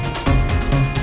eh tunggu tunggu